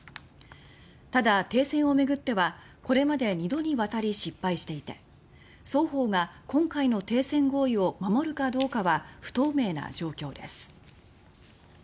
ただ、停戦を巡ってはこれまで２度にわたり失敗していて双方が今回の停戦合意を守るかどうかは不透明な状況です。